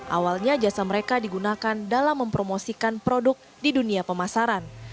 awalnya jasa mereka digunakan dalam mempromosikan produk di dunia pemasaran